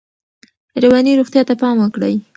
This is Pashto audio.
رواني روغتیا ته پام وکړئ.